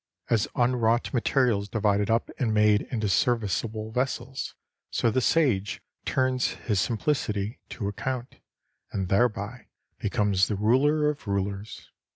As unwrought material is divided up and made into serviceable vessels, so the Sage turns his simplicity * to account, and thereby becomes the ruler of rulers.